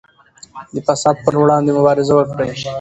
د فساد پر وړاندې مبارزه وکړئ.